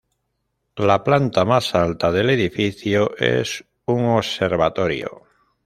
La planta más alta del edificio, es un observatorio.